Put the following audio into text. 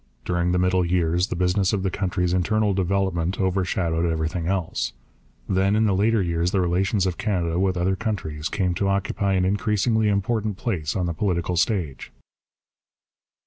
During the middle years the business of the country's internal development overshadowed everything else. Then in the later years the relations of Canada with other countries came to occupy an increasingly important place on the political stage.